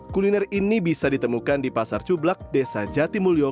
kuliner ini bisa ditemukan di pasar cublak desa jatimulyo